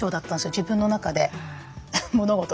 自分の中で物事が。